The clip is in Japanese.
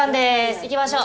行きましょう。